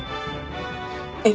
えっ？